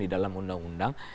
di dalam undang undang